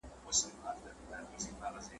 دا له کومه کوه قافه را روان یې `